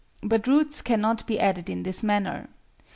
But roots cannot be added in this manner.